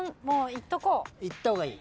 もういっとこう。